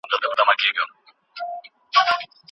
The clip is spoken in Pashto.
که کورنۍ تشویق وکړي، باور نه کمېږي.